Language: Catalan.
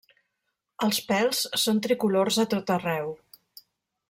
Els pèls són tricolors a tot arreu.